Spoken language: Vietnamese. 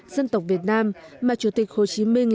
dân tộc việt nam mà chủ tịch hồ chí minh